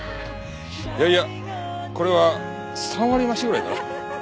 いやいやこれは３割増しぐらいだな。